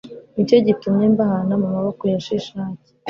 ni cyo gitumye mbahana mu maboko ya shishaki